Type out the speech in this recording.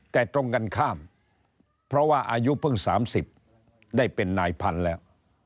แต่ตรงกันข้ามเพราะว่าอายุเพิ่ง๓๐ได้เป็นนายพันธุ์แล้ว